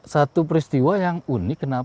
satu peristiwa yang unik